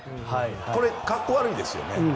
これ、格好悪いですよね。